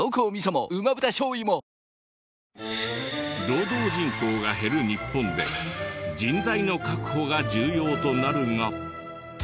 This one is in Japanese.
労働人口が減る日本で人材の確保が重要となるが。